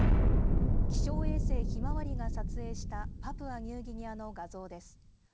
気象衛星ひまわりが撮影したパプアニューギニアの画像です。